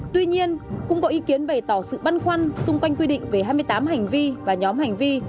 tuy nhiên cũng có ý kiến bày tỏ sự băn khoăn xung quanh quy định về hai mươi tám hành vi và nhóm hành vi